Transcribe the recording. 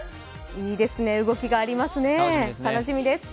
いいですね、動きがありますね、楽しみです。